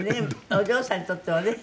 お嬢さんにとってはね。